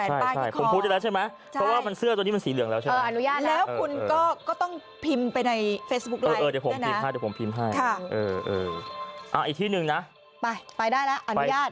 เดี๋ยวผมพิมพ์ให้ค่ะเอออีกที่หนึ่งนะไปไปได้แล้วอนุญาต